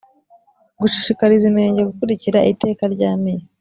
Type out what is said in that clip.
Gushishikariza imirenge gukurikiza iteka rya meya